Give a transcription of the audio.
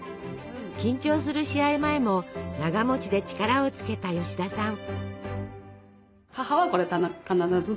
緊張する試合前もながで力をつけた吉田さん。